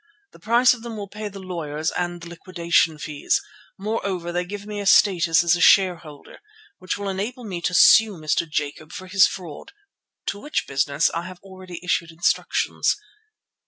The price of them will pay the lawyers and the liquidation fees; moreover they give me a status as a shareholder which will enable me to sue Mr. Jacob for his fraud, to which business I have already issued instructions.